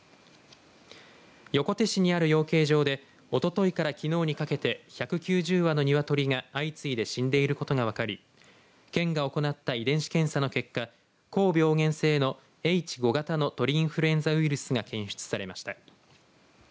横手市にある養鶏場でおとといからきのうにかけて１９０羽のニワトリが相次いで死んでいることが分かり県が行った遺伝子検査の結果高病原性のＨ５型の鳥インフルエンザウイルスが検出されました。